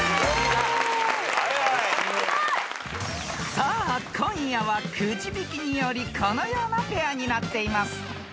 ［さあ今夜はくじ引きによりこのようなペアになっています］